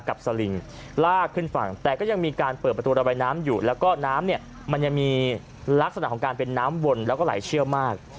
สลิงลากขึ้นฝั่งแต่ก็ยังมีการเปิดประตูระบายน้ำอยู่แล้วก็น้ำเนี่ยมันยังมีลักษณะของการเป็นน้ำวนแล้วก็ไหลเชี่ยวมาก